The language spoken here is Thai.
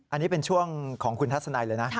อันนี้เป็นช่วงของคุณทัศนัยเลยนะ